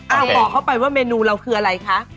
บอกเขาไปว่าเมนูเราคืออะไรคะ